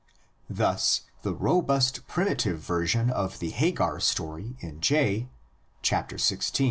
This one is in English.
Thus the robust primitive version of the Hagar story in J (chap, xvi.)